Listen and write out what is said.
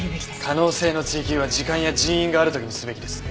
可能性の追求は時間や人員がある時にすべきです。